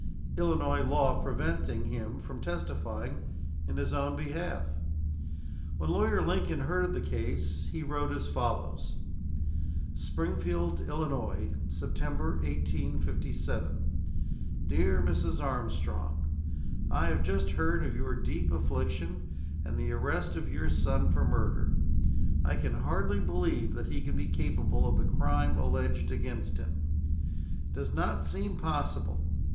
Illinois law preventing him from testifying in his own behalf. When Lawyer Lincoln heard of the case, he wrote as follows: "SPRINGFIELD, ILL., September, 1857. "DEAR MRS. ARMSTRONG: "I have just heard of your deep affliction, and the arrest of your son for murder. "I can hardly believe that he can be capable of the crime alleged against him. "It does not seem possible.